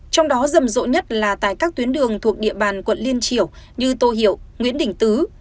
các tuyến đường thuộc địa bàn quận liên triều như tô hiệu nguyễn đỉnh tứ